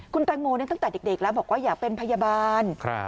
คุณแตงโมตั้งแต่เด็กแล้วบอกว่าอยากเป็นพยาบาล